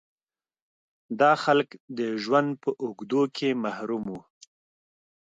دا خلک د ژوند په اوږدو کې محروم وو.